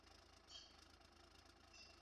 合同期为三年。